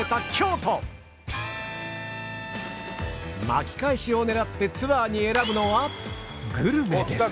巻き返しを狙ってツアーに選ぶのはきた！